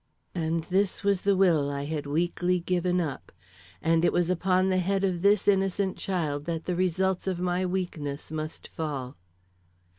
And this was the will I had weakly given up, and it was upon the head of this innocent child that the results of my weakness must fall.